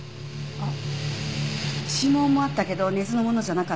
あっ。